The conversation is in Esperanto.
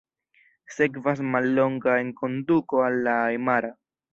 Sekvas mallonga enkonduko al la ajmara.